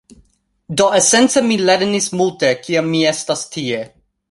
Do, esence, mi lernis multe kiam mi estas tie